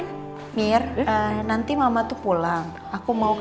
ini mejoresnya gak